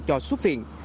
cho xuất viện